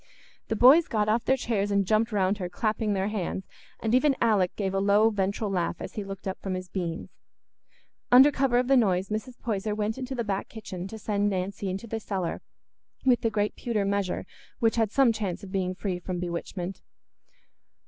The boys got off their chairs and jumped round her, clapping their hands, and even Alick gave a low ventral laugh as he looked up from his beans. Under cover of the noise, Mrs. Poyser went into the back kitchen to send Nancy into the cellar with the great pewter measure, which had some chance of being free from bewitchment.